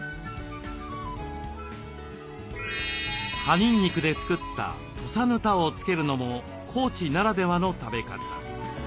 葉にんにくで作った「土佐ぬた」をつけるのも高知ならではの食べ方。